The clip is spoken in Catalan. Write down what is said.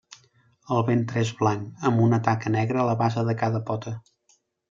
El ventre és blanc, amb una taca negra a la base de cada pota.